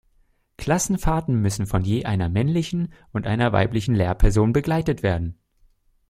Klassenfahrten müssen von je einer männlichen und einer weiblichen Lehrperson begleitet werden.